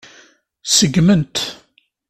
Seggmen-t.